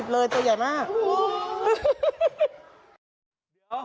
เลยตัวใหญ่มาก